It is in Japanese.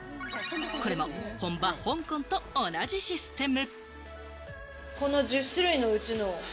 これも本場香港と同じシステム。